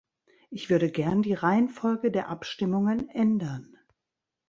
Ich würde gern die Reihenfolge der Abstimmungen ändern.